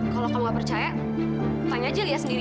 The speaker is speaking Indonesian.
kalau kamu gak percaya tanya aja lihat sendiri